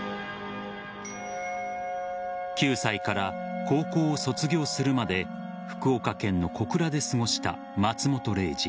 ９歳から高校を卒業するまで福岡県の小倉で過ごした松本零士。